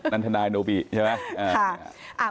ทนายโนบิใช่ไหม